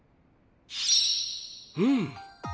うん！